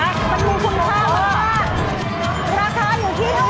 มันมีคุณค่ามาก